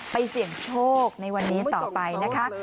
เสี่ยงโชคในวันนี้ต่อไปนะคะ